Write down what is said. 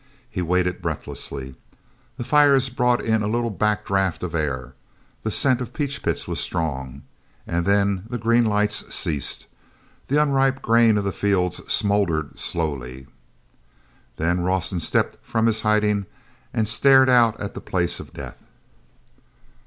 He waited breathlessly. The fires brought in a little back draft of air, the scent of peach pits was strong—and then the green lights ceased. The unripe grain of the fields smoldered slowly. Then Rawson stepped from his hiding and stared out at the Place of Death.